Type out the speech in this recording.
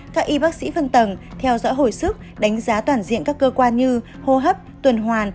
các y bác sĩ phân tầng theo dõi hồi sức đánh giá toàn diện các cơ quan như hô hấp tuần hoàn